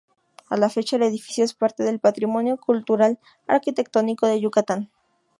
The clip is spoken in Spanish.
A la fecha el edificio es parte del "Patrimonio Cultural Arquitectónico" de Yucatán.